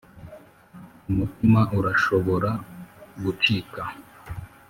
umutima urashobora gucika